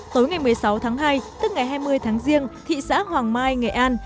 tối ngày một mươi sáu tháng hai tức ngày hai mươi tháng riêng thị xã hoàng mai nghệ an